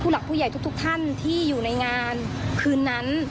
หลักผู้ใหญ่ทุกท่านที่อยู่ในงานคืนนั้น